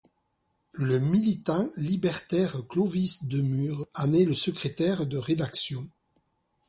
Le militant libertaire Clovis Demure en est le secrétaire de rédaction.